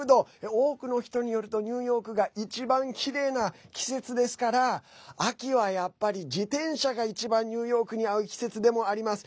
多くの人によるとニューヨークが一番きれいな季節ですから秋は、やっぱり自転車が一番ニューヨークに合う季節でもあります。